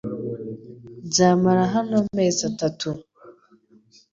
Nzamara hano amezi atatu .